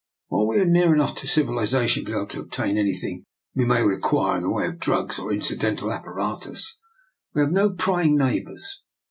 While we are near enough to civilisation to be able to obtain anything we may require in the way of drugs or incidental apparatus, we have no prying neighbours.